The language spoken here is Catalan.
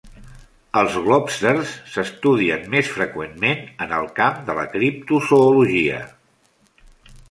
Els "globsters" s'estudien més freqüentment en el camp de la criptozoologia.